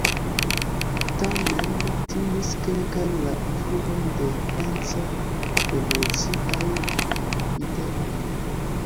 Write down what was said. Tamen timis kelkajn la influon de franca revoluciaj ideoj.